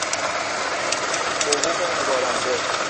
حقوق نگارنده